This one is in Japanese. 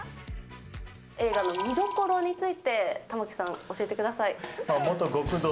映画の見どころについて玉木さん、教えてください。